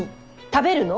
食べるの？